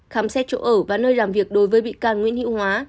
khám xét chỗ ở và nơi làm việc đối với bị can nguyễn hữu hóa